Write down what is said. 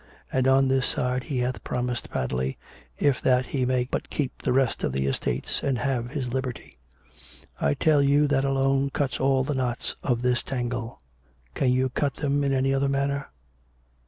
And on this side he hath promised Padley, if that he may but keep the rest of the estates, and have his liberty. I tell you that alone cuts all the knots of this tangle. ... Can you cut them in any other manner?